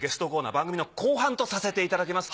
番組の後半とさせていただきます。